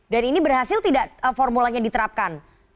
ini berhasil tidak formulanya diterapkan